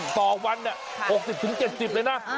ต่อวัน๖๐๗๐เลยนะ